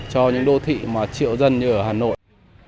cho những đô thị mà triệu dân như ở hà nội